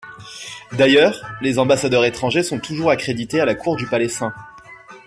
D'ailleurs, les ambassadeurs étrangers sont toujours accrédités à la Cour du palais St.